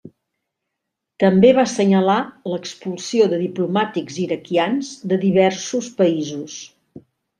També va assenyalar l'expulsió de diplomàtics iraquians de diversos països.